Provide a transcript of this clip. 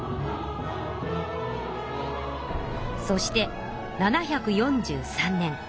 そして７４３年。